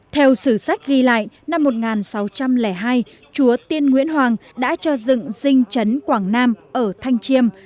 theo sử sách ghi lại năm một nghìn sáu trăm linh hai chúa tiên nguyễn hoàng đã cho dựng dinh chấn quảng nam ở thanh chiêm